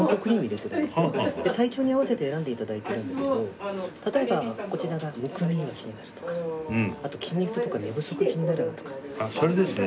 体調に合わせて選んでいただいてるんですけど例えばこちらがむくみが気になるとかあとあっそれですね。